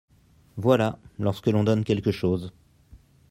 Voilà (lorsque l'on donne quelque chose).